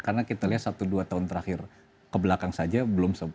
karena kita lihat satu dua tahun terakhir kebelakang saja belum sempat